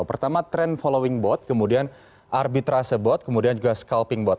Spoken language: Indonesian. pertama tren following bot kemudian arbitrase bot kemudian juga scalping bot